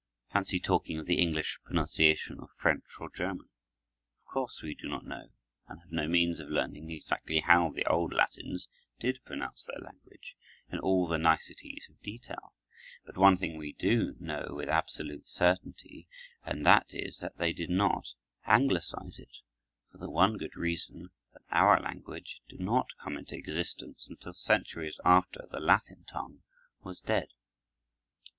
Fancy talking of the English pronunciation of French or German! Of course, we do not know and have no means of learning exactly how the old Latins did pronounce their language in all the niceties of detail, but one thing we do know with absolute certainty, and that is that they did not Anglicize it, for the one good reason that our language did not come into existence until centuries after the Latin tongue was dead.